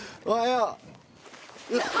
おはよう。